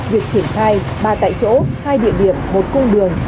việc triển khai ba tại chỗ hai địa điểm một cung đường